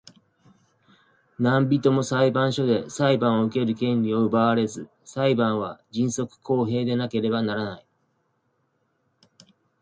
何人（なんびと）も裁判所で裁判を受ける権利を奪われず、裁判は迅速公平でなければならない。